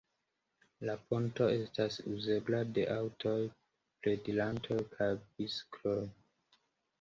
La ponto estas uzebla de aŭtoj, piedirantoj kaj bicikloj.